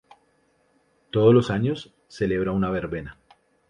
Todo los años celebra una verbena.